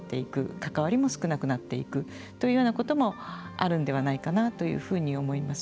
関わりも少なくなっていくというようなこともあるんではないかなというふうに思います。